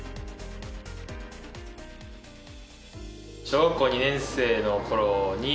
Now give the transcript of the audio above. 小学校２年生の頃に。